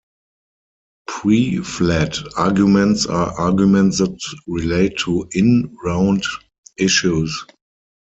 "Pre-fiat" arguments are arguments that relate to in-round issues.